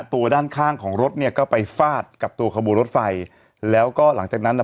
ตัวด้านข้างของรถเนี่ยก็ไปฟาดกับตัวขบวนรถไฟแล้วก็หลังจากนั้นน่ะ